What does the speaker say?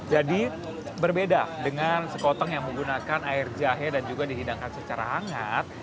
jadi berbeda dengan sekotong yang menggunakan air jahe dan juga dihidangkan secara hangat